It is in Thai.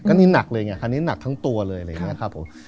อันนี้หนักเลยไงคันนี้หนักทั้งตัวเลยอะไรอย่างนี้ครับผม